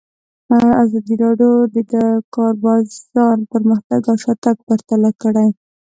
ازادي راډیو د د کار بازار پرمختګ او شاتګ پرتله کړی.